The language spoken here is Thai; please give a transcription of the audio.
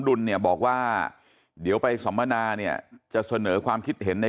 ดุลเนี่ยบอกว่าเดี๋ยวไปสัมมนาเนี่ยจะเสนอความคิดเห็นใน